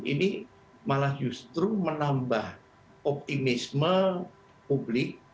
ini malah justru menambah optimisme publik